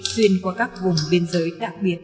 xuyên qua các vùng biên giới đặc biệt